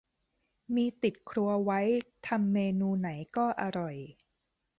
มีติดครัวไว้ทำเมนูไหนก็อร่อย